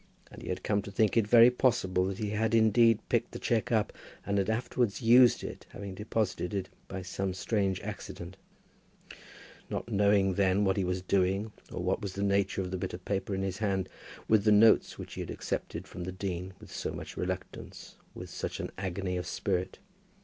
And he had come to think it very possible that he had indeed picked the cheque up, and had afterwards used it, having deposited it by some strange accident, not knowing then what he was doing, or what was the nature of the bit of paper in his hand, with the notes which he had accepted from the dean with so much reluctance, with such an agony of spirit.